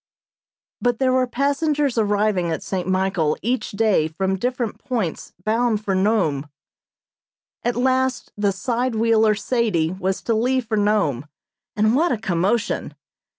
But there were passengers arriving at St. Michael each day from different points bound for Nome. At last the side wheeler "Sadie" was to leave for Nome, and what a commotion!